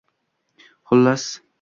Xullas…